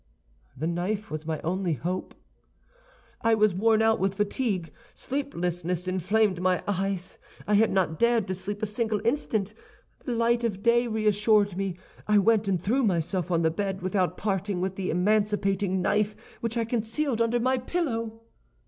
"This knife was my only hope. "I was worn out with fatigue. Sleeplessness inflamed my eyes; I had not dared to sleep a single instant. The light of day reassured me; I went and threw myself on the bed, without parting with the emancipating knife, which I concealed under my pillow.